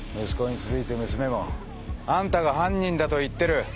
息子に続いて娘もあんたが犯人だと言ってる。